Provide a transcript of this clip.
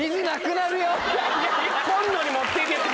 今度に持っていけって。